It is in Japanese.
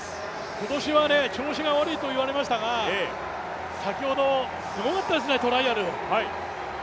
今年は調子が悪いといわれましたが、先ほどすごかったですねトライアル。